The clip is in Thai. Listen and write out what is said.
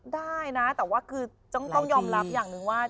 ได้นะแต่ว่าคือต้องยอมรับอย่างหนึ่งว่า